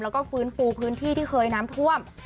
แล้วก็ฟื้นฟูพื้นที่ที่เคยน้ำท่วม